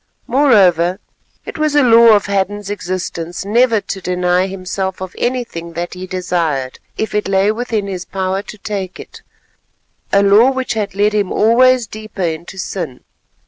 Moreover, it was a law of Hadden's existence never to deny himself of anything that he desired if it lay within his power to take it—a law which had led him always deeper into sin.